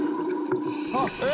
「あっ！